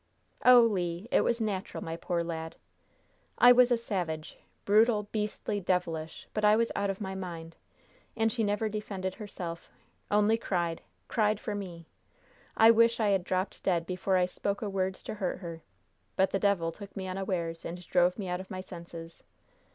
"Oh, Le, it was natural, my poor lad!" "I was a savage! brutal! beastly! devilish! but I was out of my mind! And she never defended herself, only cried cried for me! I wish I had dropped dead before I spoke a word to hurt her! But the devil took me unawares, and drove me out of my senses."